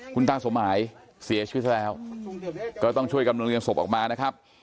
คุณตาสมหมายเสียชีวิตซะแล้วก็ต้องช่วยกำลังเรียงศพออกมานะครับ